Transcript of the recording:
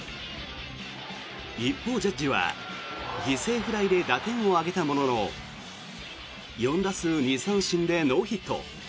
一方、ジャッジは犠牲フライで打点を挙げたものの４打数２三振でノーヒット。